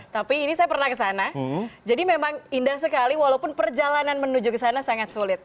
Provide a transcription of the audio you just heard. tapi ini saya pernah kesana jadi memang indah sekali walaupun perjalanan menuju ke sana sangat sulit